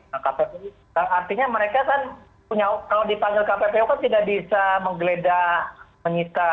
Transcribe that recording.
nah kppu artinya mereka kan punya kalau dipanggil kppu kan tidak bisa menggeledah menyita